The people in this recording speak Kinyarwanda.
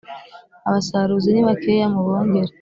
abasaruzi ni bakeya mubongere: